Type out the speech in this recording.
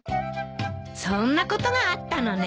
そんなことがあったのね。